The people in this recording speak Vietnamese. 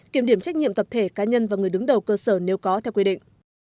kiểm điểm trách nhiệm tập thể cá nhân và người đứng đầu cơ sở nếu có theo quy định